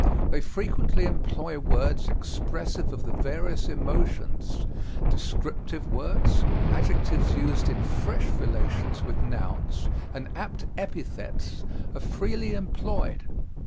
They frequently employ words expressive of the various emotions. Descriptive words, adjectives used in fresh relations with nouns, and apt epithets, are freely employed.